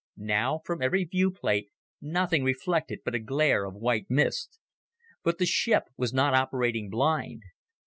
Now, from every viewplate, nothing reflected but a glare of white mist. But the ship was not operating blind.